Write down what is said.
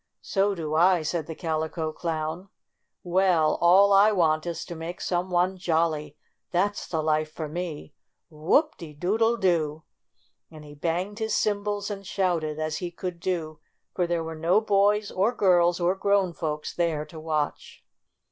"So do I," said the Calico Clown. "Well, all I want is to make some one j oily ! That 's the life for me ! Whoop de doodle do!" and he banged his cymbals and shouted, as he could do, for there were no boys or girls or grown folks there to watch.